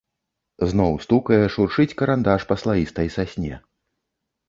Зноў стукае, шуршыць карандаш па слаістай сасне.